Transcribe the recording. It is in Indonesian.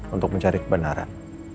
untuk mencari kebenaran